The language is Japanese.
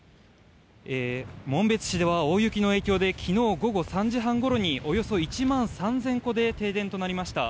紋別市では大雪の影響で昨日午後３時半ごろにおよそ１万３０００戸で停電となりました。